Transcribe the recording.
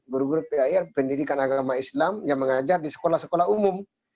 guru guru pendidikan agama islam yang mengajar di sekolah sekolah umum